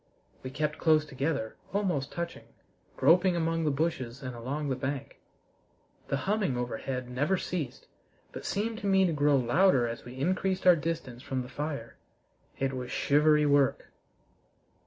We kept close together, almost touching, groping among the bushes and along the bank. The humming overhead never ceased, but seemed to me to grow louder as we increased our distance from the fire. It was shivery work!